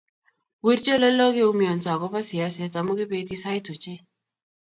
wirchi oleloo keumianso agoba siaset amu kibeti sait ochei